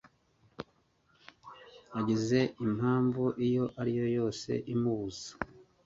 agize impamvu iyo ari yo yose imubuza